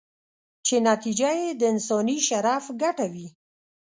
چې نتیجه یې د انساني شرف ګټه وي.